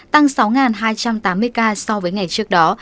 tăng sáu hai trăm tám mươi ca so với ngày trước đó